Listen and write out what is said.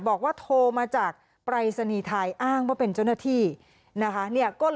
บอกว่าโทรมาจากปรายศนีย์ไทย